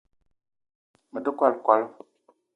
Me te kwal kwala